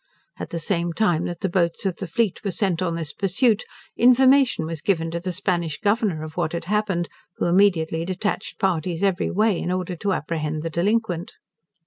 At the same time that the boats of the fleet were sent on this pursuit, information was given to the Spanish Governor of what had happened, who immediately detached parties every way in order to apprehend the delinquent.